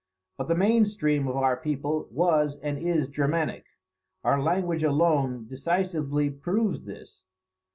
But the main stream of our people was and is Germanic. Our language alone decisively proves this.